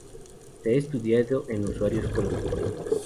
Se ha estudiado en usuarios crónicos.